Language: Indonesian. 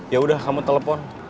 yaudah kamu telepon